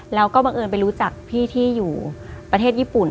แล้วก็บังเอิญไปรู้จักพี่ที่อยู่ประเทศญี่ปุ่น